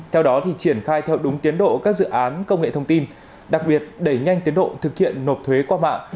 theo đó triển khai theo đúng tiến độ các dự án công nghệ thông tin đặc biệt đẩy nhanh tiến độ thực hiện nộp thuế qua mạng